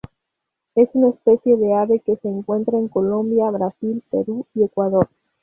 Es una especie de ave que se encuentra en Colombia, Brasil, Perú y Ecuador.